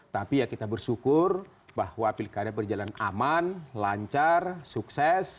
tapi ya kita bersyukur bahwa pilkada berjalan aman lancar sukses